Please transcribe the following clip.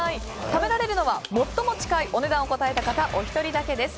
食べられるのは最も近いお値段を答えた方お一人だけです。